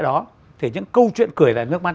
đó thì những câu chuyện cười lại nước mắt